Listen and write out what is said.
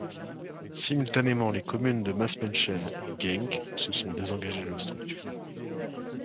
Simultanément, les communes de Maasmechelen et Genk se sont désengagées de la structure.